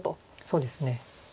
そうですね。